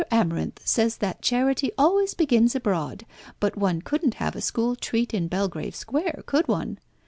Amarinth says that charity always begins abroad, but one couldn't have a school treat in Belgrave Square, could one?